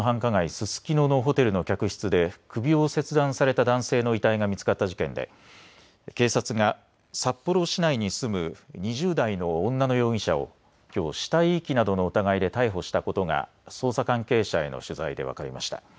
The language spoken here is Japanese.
ススキノのホテルの客室で首を切断された男性の遺体が見つかった事件で警察が札幌市内に住む２０代の女の容疑者をきょう死体遺棄などの疑いで逮捕したことが捜査関係者への取材で分かりました。